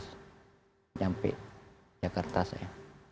sampai jakarta saya